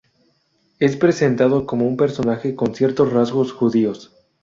Es presentado como un personaje con ciertos rasgos judíos.